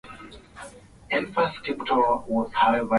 walihifadhiwa na kulindwa katika eneo hili